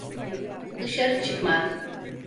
Dışarı çıkma.